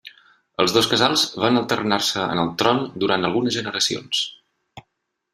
Els dos casals van alternar-se en el tron durant algunes generacions.